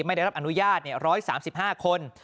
ไม่ได้รับอนุญาต๑๓๕คน